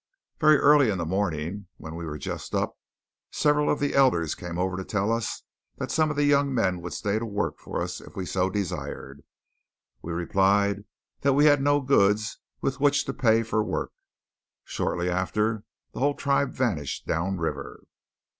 Very early in the morning, when we were just up, several of the elders came over to tell us that some of the young men would stay to work for us, if we so desired. We replied that we had no goods with which to pay for work. Shortly after, the whole tribe vanished down river.